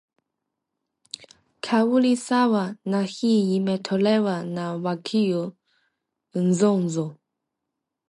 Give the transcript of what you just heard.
Kauli sawa na hii imetolewa na Wakio Nzonzo